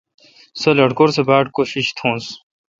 سو لٹکور سہ باڑ کوشش تھنوس۔